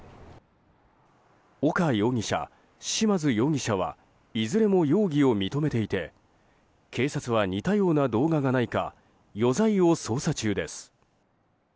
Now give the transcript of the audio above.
岡容疑者、嶋津容疑者はいずれも容疑を認めていて警察は似たような動画がないか余罪を捜査中です。